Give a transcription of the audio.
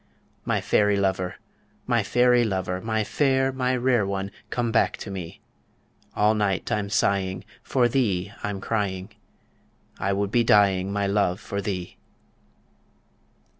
My fairy lover, my fairy lover, My fair, my rare one, come back to me All night I'm sighing, for thee I'm crying, I would be dying, my love, for thee.